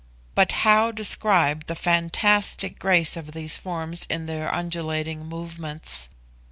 But how describe the fantastic grace of these forms in their undulating movements!